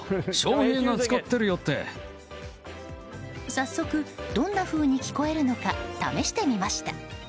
早速どんなふうに聞こえるのか試してみました。